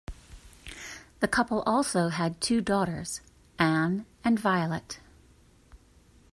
The couple also had two daughters, Anne and Violet.